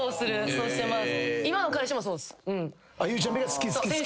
そうしてます。